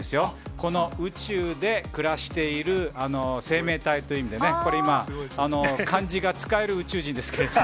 この宇宙で暮らしている生命体という意味でね、これ今、漢字が使える宇宙人ですけれども。